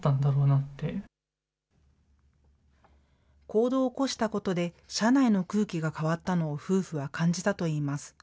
行動を起こしたことで車内の空気が変わったのを夫婦は感じたといいます。